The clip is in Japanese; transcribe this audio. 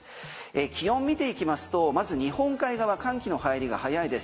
気温見ていきますとまず日本海側寒気の入りが早いです